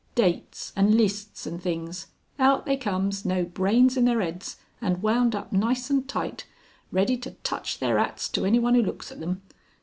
Dates and lists and things. Out they comes, no brains in their 'eads, and wound up nice and tight, ready to touch their 'ats to anyone who looks at them.